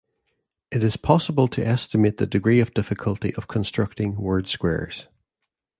It is possible to estimate the degree of difficulty of constructing word squares.